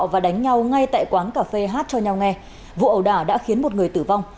và đánh nhau ngay tại quán cà phê hát cho nhau nghe vụ ẩu đả đã khiến một người tử vong